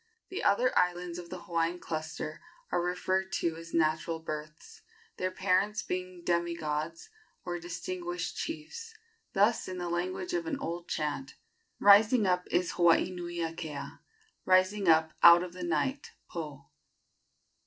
The other islands of the Hawaiian cluster are referred to as natural births, their parents being demi gods or distinguished chiefs. Thus, in the language of an old chant: "Rising up is Hawaii nui akea! Rising up out of the night (Po)!